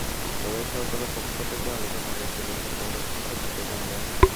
তবে সরকারের পক্ষ থেকে আলোচনা বাতিলের প্রেক্ষাপটে কোনো প্রতিক্রিয়া জানা যায়নি।